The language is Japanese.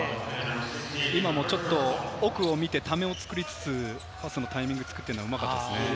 今もちょっと、奥を見てためを作りつつ、タイミングを作っているのがうまかったですね。